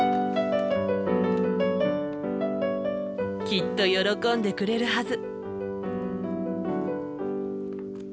きっと喜んでくれるはず。